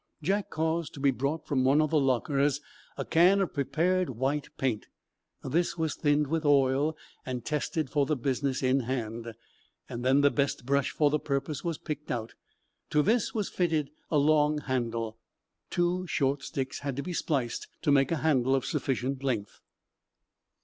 Jack caused to be brought from one of the lockers a can of prepared white paint. This was thinned with oil and tested for the business in hand. Then the best brush for the purpose was picked out. To this was fitted a long handle. Two short sticks had to be spliced to make a handle of sufficient length.